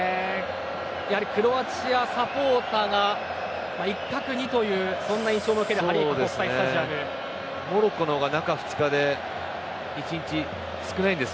クロアチアサポーターが一角にという印象を受けるハリーファ国際スタジアムです。